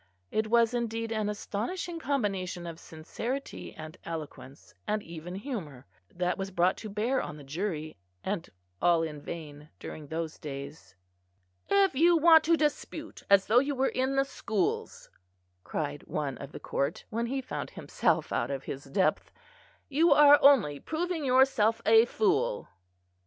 It was indeed an astonishing combination of sincerity and eloquence, and even humour, that was brought to bear on the jury, and all in vain, during those days. "If you want to dispute as though you were in the schools," cried one of the court, when he found himself out of his depth, "you are only proving yourself a fool."